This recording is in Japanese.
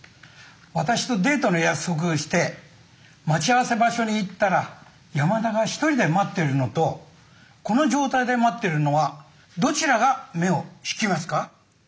私とデートの約束をして待ち合わせ場所に行ったら山田が一人で待ってるのとこの状態で待ってるのはどちらが目を引きますか？